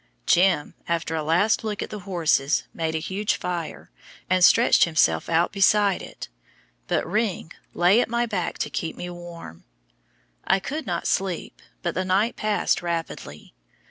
"Jim," after a last look at the horses, made a huge fire, and stretched himself out beside it, but "Ring" lay at my back to keep me warm. I could not sleep, but the night passed rapidly.